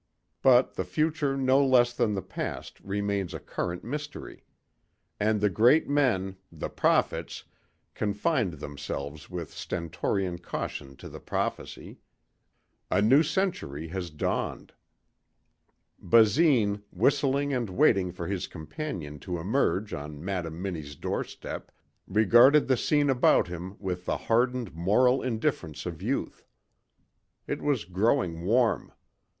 But the future no less than the past remains a current mystery. And the great men the prophets confined themselves with stentorian caution to the prophecy a new century has dawned. Basine, whistling and waiting for his companion to emerge on Madam Minnie's doorstep, regarded the scene about him with the hardened moral indifference of youth. It was growing warm.